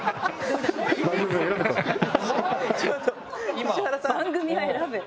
石原さん！